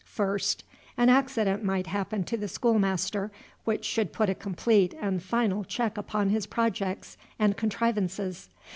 First, an accident might happen to the schoolmaster which should put a complete and final check upon his projects and contrivances.